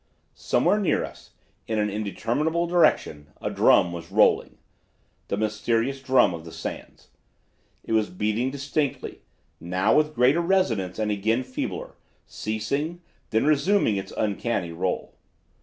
"Somewhere, near us, in an indeterminable direction, a drum was rolling, the mysterious drum of the sands. It was beating distinctly, now with greater resonance and again feebler, ceasing, then resuming its uncanny roll.